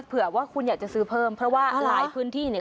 เผื่อว่าคุณอยากจะซื้อเพิ่มเพราะว่าหลายพื้นที่เนี่ย